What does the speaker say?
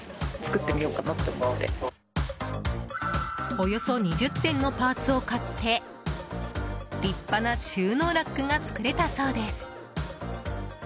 およそ２０点のパーツを買って立派な収納ラックが作れたそうです。